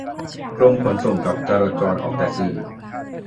กรมขนส่งกับจราจรออกแต่สื่อ